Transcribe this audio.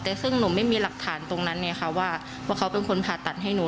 แต่ซึ่งหนูไม่มีหลักฐานตรงนั้นไงค่ะว่าเขาเป็นคนผ่าตัดให้หนู